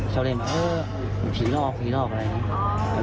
ชอบเล่นแบบเออผีรอบอะไรอย่างนี้